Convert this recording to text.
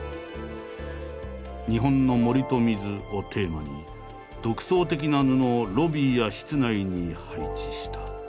「日本の森と水」をテーマに独創的な布をロビーや室内に配置した。